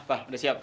pak udah siap